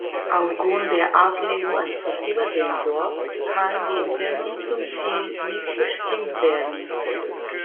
Aufgrund der Auslegung als passiver Sensor kann die Entfernung zum Ziel nicht bestimmt werden.